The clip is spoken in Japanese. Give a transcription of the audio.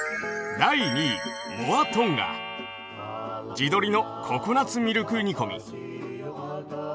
地鶏のココナツミルク煮込み。